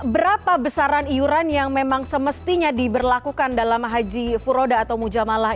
berapa besaran iuran yang memang semestinya diberlakukan dalam haji furoda atau mujamalah